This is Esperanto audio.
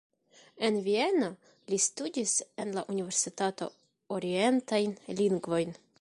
En Vieno li studis en la universitato orientajn lingvojn.